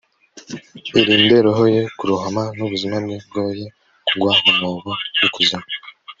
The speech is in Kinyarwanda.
arinde roho ye kurohama, n'ubuzima bwe bwoye kugwa mu mwobo w'ikuzimu